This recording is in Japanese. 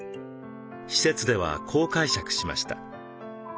施設ではこう解釈しました。